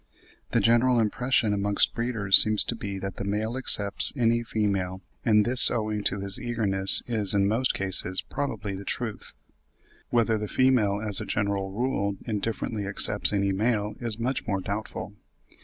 The general impression amongst breeders seems to be that the male accepts any female; and this owing to his eagerness, is, in most cases, probably the truth. Whether the female as a general rule indifferently accepts any male is much more doubtful.